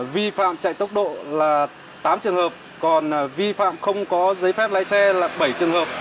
vi phạm chạy tốc độ là tám trường hợp còn vi phạm không có giấy phép lái xe là bảy trường hợp